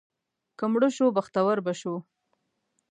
که مړه شو، بختور به شو.